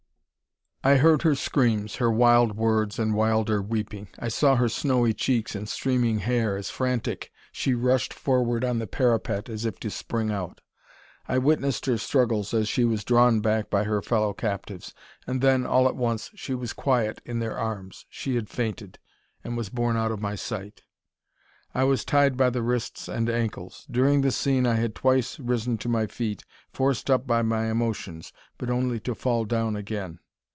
I heard her screams, her wild words and wilder weeping. I saw her snowy cheek and streaming hair, as, frantic, she rushed forward on the parapet as if to spring out. I witnessed her struggles as she was drawn back by her fellow captives, and then, all at once, she was quiet in their arms. She had fainted, and was borne out of my sight. I was tied by the wrists and ankles. During the scene I had twice risen to my feet, forced up by my emotions, but only to fall down again.